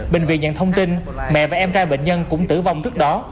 bệnh viện nhận thông tin mẹ và em trai bệnh nhân cũng tử vong trước đó